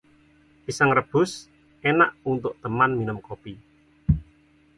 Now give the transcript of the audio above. pisang rebus enak untuk teman minum kopi